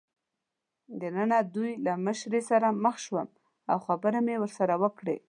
دننه د دوی له مشرې سره مخ شوم او خبرې مې ورسره وکړې.